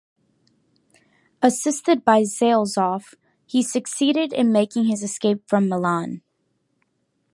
Assisted by Zaleshoff, he succeeds in making his escape from Milan.